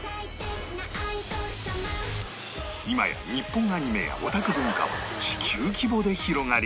今や日本アニメやオタク文化は地球規模で広がり